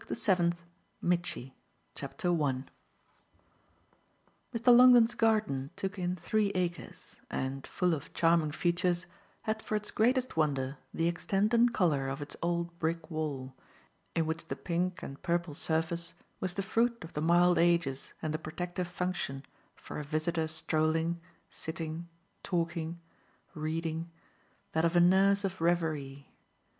BOOK SEVENTH. MITCHY Mr. Longdon's garden took in three acres and, full of charming features, had for its greatest wonder the extent and colour of its old brick wall, in which the pink and purple surface was the fruit of the mild ages and the protective function, for a visitor strolling, sitting, talking, reading, that of a nurse of reverie.